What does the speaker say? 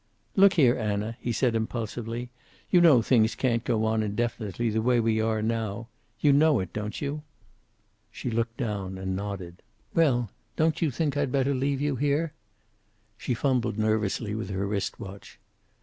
"Look here, Anna," he said impulsively. "You know things can't go on indefinitely, the way we are now. You know it, don't you." She looked down and nodded. "Well, don't you think I'd better leave you here?" She fumbled nervously with her wrist watch.